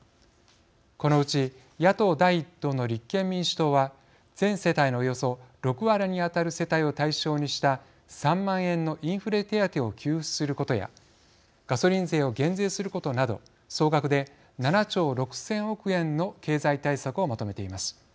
このうち野党第一党の立憲民主党は全世帯のおよそ６割に当たる世帯を対象にした３万円のインフレ手当を給付することやガソリン税を減税することなど総額で７兆６０００億円の経済対策をまとめています。